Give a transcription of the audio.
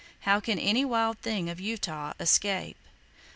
How can any wild thing of Utah escape?